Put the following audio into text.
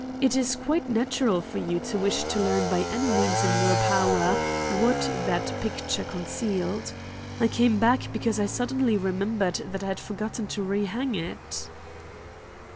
It is quite natural for you to wish to learn by any means in your power what that picture concealed. I came back, because I suddenly remembered that I had forgotten to rehang it."